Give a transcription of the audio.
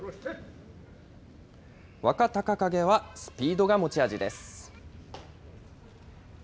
若隆景はスピードが持ち味です。